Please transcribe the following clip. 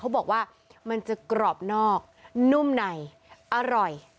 บอกว่ามันจะกรอบนอกนุ่มในอร่อย